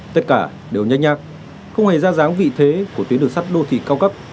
tất cả đều nhanh nhạc không hề ra ráng vị thế của tuyến đường sắt đô thị cao cấp